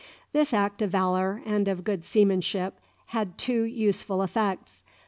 This act of valour and of good seamanship had two useful effects.